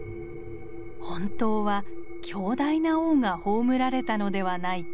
本当は強大な王が葬られたのではないか。